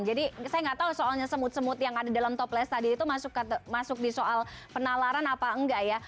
jadi saya gak tahu soalnya semut semut yang ada di dalam toples tadi itu masuk di soal penalaran apa enggak ya